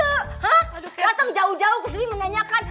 hah dateng jauh jauh kesini menyanyikan